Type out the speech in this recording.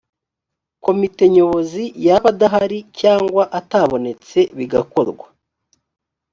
komite nyobozi yaba adahari cyangwa atabonetse bigakorwa